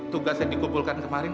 tugas yang dikumpulkan kemarin